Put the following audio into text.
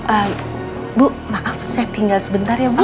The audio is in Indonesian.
eh bu maaf saya tinggal sebentar ya bu